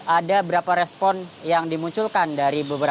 ada berapa respon yang dimunculkan dari beberapa